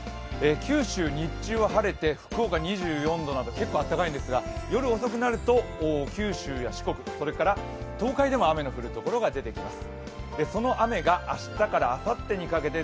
九州、日中は晴れて、福岡２４度など、結構暖かいんですが夜遅くなると九州や四国、それから東海でも雨の降るところが出てきます。